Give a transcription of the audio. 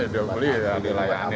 ya beli ya dilayanin aja